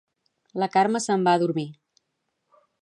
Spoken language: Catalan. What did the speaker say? La Carme se'n va a dormir